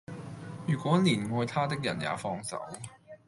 如果連愛他的人也放手